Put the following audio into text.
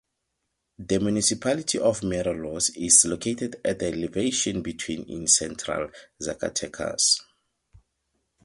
The municipality of Morelos is located at an elevation between in central Zacatecas.